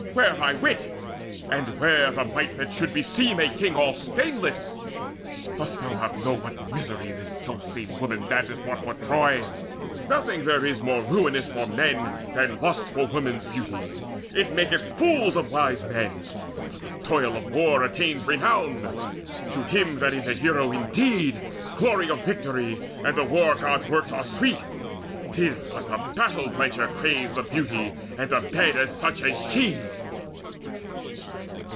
where thy wit? And where the might that should beseem a king All stainless? Dost not know what misery This self same woman madness wrought for Troy? Nothing there is to men more ruinous Than lust for woman's beauty; it maketh fools Of wise men. But the toil of war attains Renown. To him that is a hero indeed Glory of victory and the War god's works Are sweet. 'Tis but the battle blencher craves The beauty and the bed of such as she!"